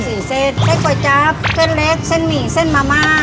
เส้นเส้นก๋วยจั๊บเส้นเล็กเส้นหมี่เส้นมาม่า